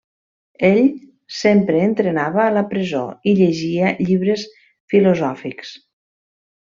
Ell sempre entrenava a la presó i llegia llibres filosòfics.